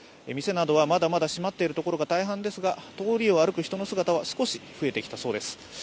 店などはまだまだ閉まっているところが大半ですが通りを歩く人の姿は少し増えてきたそうです。